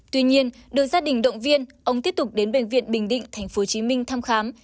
tuy nhiên được gia đình động viên ông tiếp tục đến bệnh viện bình định tp hcm thăm khám